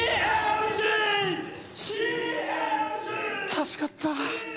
助かった。